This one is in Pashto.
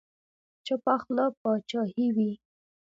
چپه خوله باچاهي وي.